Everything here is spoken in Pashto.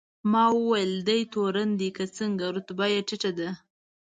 ما وویل: دی تورن دی که څنګه؟ رتبه یې ټیټه ده.